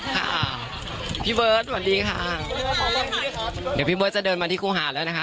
ค่ะพี่เบิร์ตสวัสดีค่ะเดี๋ยวพี่เบิร์ตจะเดินมาที่ครูหาแล้วนะคะ